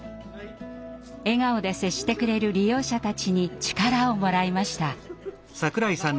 笑顔で接してくれる利用者たちに力をもらいました。